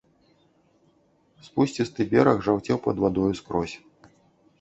Спусцісты бераг жаўцеў пад вадою скрозь.